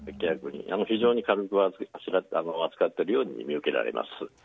非常に軽く扱っているように見受けられます。